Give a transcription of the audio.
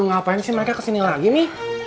ngapain sih mereka kesini lagi nih